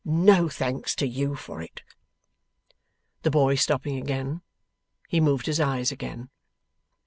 No thanks to you for it!' The boy stopping again, he moved his eyes again.